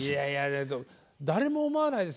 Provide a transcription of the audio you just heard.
誰も思わないです。